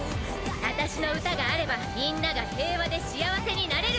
私の歌があればみんなが平和で幸せになれる！